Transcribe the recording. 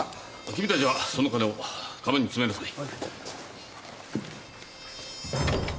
君たちはその金を鞄に詰めなさい。